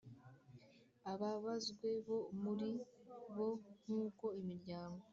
Ababazwe bo muri bo nk uko imiryango